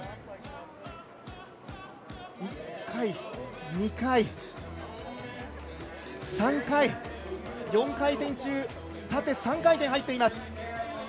１回、２回、３回と４回転中縦３回転入っています。